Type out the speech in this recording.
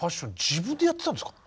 自分でやってたんですか？